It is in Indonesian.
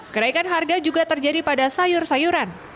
kenaikan harga juga terjadi pada sayur sayuran